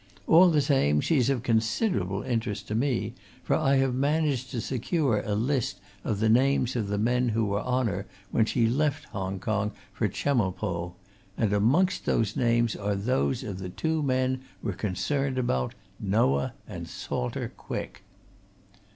All the same, she's of considerable interest to me, for I have managed to secure a list of the names of the men who were on her when she left Hong Kong for Chemulpo and amongst those names are those of the two men we're concerned about: Noah and Salter Quick."